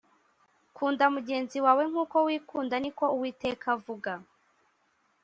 Kunda mugenzi wawe nkuko wikunda niko uwiteka avuga